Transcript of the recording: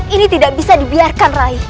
ini tidak bisa dibiarkan rai